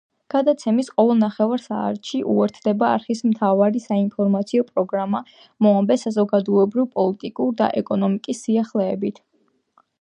გადაცემას ყოველ ნახევარ საათში უერთდება არხის მთავარი საინფორმაციო პროგრამა „მოამბე“, საზოგადოებრივ-პოლიტიკური და ეკონომიკის სიახლეებით.